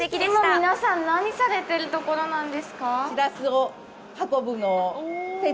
今、皆さん、何をされてるところなんですか？